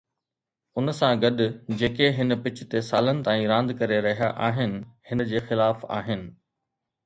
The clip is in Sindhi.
ان سان گڏ، جيڪي هن پچ تي سالن تائين راند ڪري رهيا آهن، هن جي خلاف آهن.